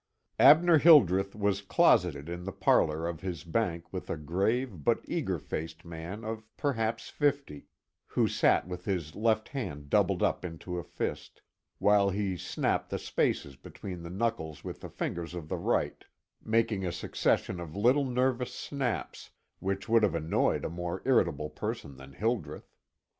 XV. Abner Hildreth was closeted in the parlor of his bank with a grave, but eager faced man of perhaps fifty, who sat with his left hand doubled up into a fist, while he snapped the spaces between the knuckles with the fingers of the right, making a succession of little nervous snaps, which would have annoyed a more irritable person than Hildreth.